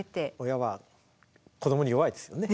親は子どもに弱いですよね。